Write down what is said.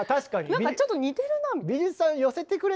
なんかちょっと似てるな。